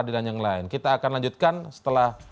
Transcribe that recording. dan yang lain kita akan lanjutkan setelah